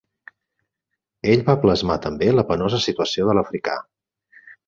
Ell va plasmar també la penosa situació de l'africà.